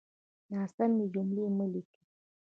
ناسمې جملې مه ليکئ!